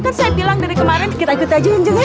kan saya bilang dari kemarin kita ikut aja anjingnya